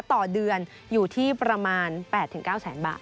ต่อเดือนอยู่ที่ประมาณ๘๙แสนบาท